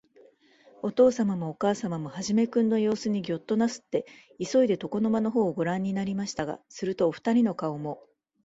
おとうさまもおかあさまも、始君のようすにギョッとなすって、いそいで、床の間のほうをごらんになりましたが、すると、おふたりの顔も、